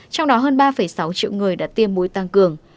trong đó hơn ba sáu triệu người đã tiêm muối tăng cường